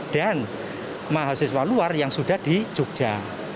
dan mahasiswa luar yang sudah di jogja